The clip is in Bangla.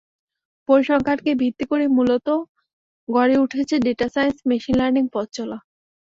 পরিসংখ্যানকে ভিত্তি করেই মূলত গড়ে উঠেছে ডেটা সাইন্স, মেশিন লার্নিং পথচলা।